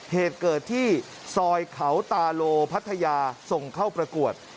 เหตุเกิดที่ซอยเขาตาโลพัทยาส่งเข้าประกวด